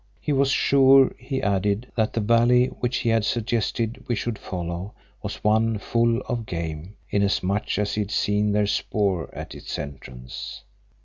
He was sure, he added, that the valley which he had suggested we should follow, was one full of game, inasmuch as he had seen their spoor at its entrance.